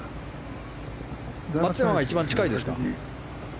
松山が一番近いですか？